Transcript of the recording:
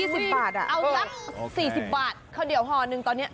ซื้อ๒๐บาทเอาละ๔๐บาทเขาเดี๋ยวหอหนึ่งตอนนี้